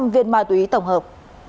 hai tám trăm linh viên ma túy tổng hợp